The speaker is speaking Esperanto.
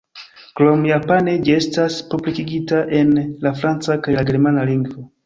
Krom japane ĝi estas publikigita en la franca kaj la germana lingvo.